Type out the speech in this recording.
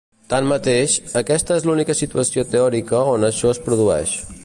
Tanmateix, aquesta és l'única situació teòrica on això es produeix.